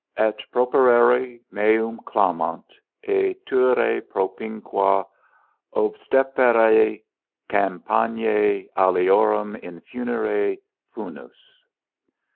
ET PROPERARE MEUM CLAMANT, E TURRE PROPINQUA, OBSTREPERÆ CAMPANÆ ALIORUM IN FUNERE, FUNUS.